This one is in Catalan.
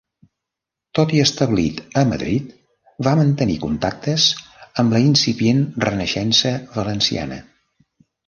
Tot i establit a Madrid, va mantenir contactes amb la incipient Renaixença valenciana.